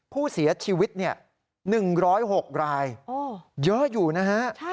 ผู้เสียชีวิต๑๐๖รายเยอะอยู่นะฮะ